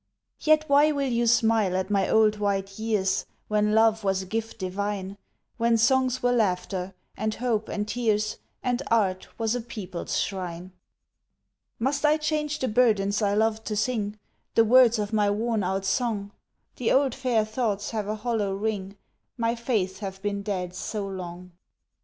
Yet why will you smile at my old white years When love was a gift divine, When songs were laughter and hope and tears, And art was a people's shrine? Must I change the burdens I loved to sing, The words of my worn out song? The old fair thoughts have a hollow ring, My faiths have been dead so long.